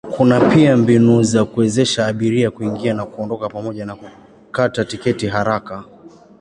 Kuna pia mbinu za kuwezesha abiria kuingia na kuondoka pamoja na kukata tiketi haraka.